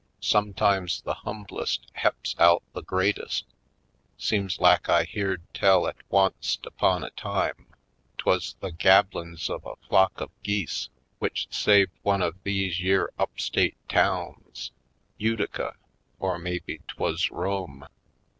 Sometimes the humblest he'ps out the greates'. Seems lak I beared tell 'at once't 'pon a time 'twuz the gabbiin's of a flock of geese w'ich saved one of these yere up state towns — Utica, or maybe 'twas Rome.